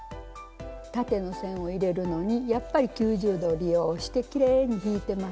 縦の線を入れるのにやっぱり９０度を利用してきれいに引いてます。